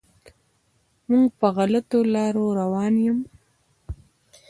موږ په غلطو لارو روان یم.